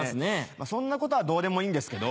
まぁそんなことはどうでもいいんですけど。